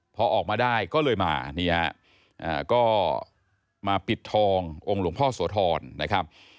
พอออกมาได้ก็เลยมามาปิดทององค์ลุงพ่อสวทรอนนะครับ